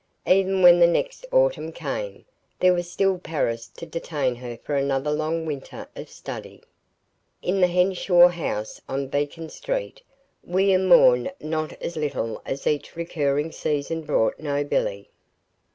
Even when the next autumn came, there was still Paris to detain her for another long winter of study. In the Henshaw house on Beacon Street, William mourned not a little as each recurring season brought no Billy.